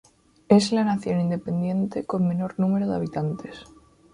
Es la nación independiente con menor número de habitantes.